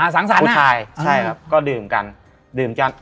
สังสรรค์ผู้ชายใช่ครับก็ดื่มกันดื่มกัน